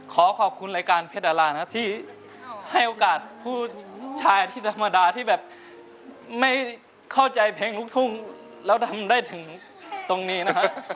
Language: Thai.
ขอขอบคุณรายการเพชรดารานะที่ให้โอกาสผู้ชายที่ธรรมดาที่แบบไม่เข้าใจเพลงลูกทุ่งแล้วทำได้ถึงตรงนี้นะฮะ